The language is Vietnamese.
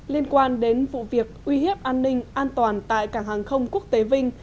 liên quan đến vụ việc uy hiếp an ninh an toàn tại cảng hàng không quốc tế vinh